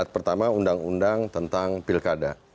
pertama undang undang tentang pilkada